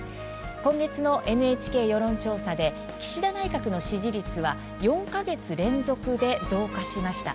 今月のＮＨＫ世論調査で岸田内閣の支持率は４か月連続で増加しました。